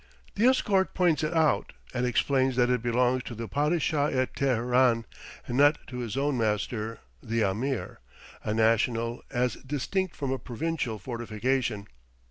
The escort points it out and explains that it belongs to the "Padishah at Teheran," and not to his own master, the Ameer a national, as distinct from a provincial, fortification.